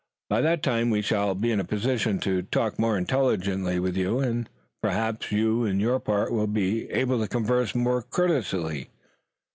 By that time we shall be in a position to talk more intelligently with you and perhaps you on your part will be able to converse more courteously.